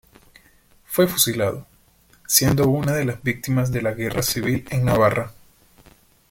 Fue fusilado, siendo una de las Víctimas de la Guerra Civil en Navarra.